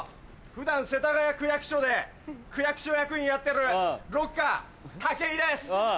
普段世田谷区役所で区役所役員やってるロッカータケイです！